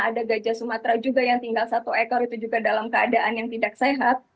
ada gajah sumatera juga yang tinggal satu ekor itu juga dalam keadaan yang tidak sehat